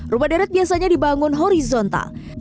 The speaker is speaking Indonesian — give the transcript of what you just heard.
rumah deret biasanya dibangun horizontal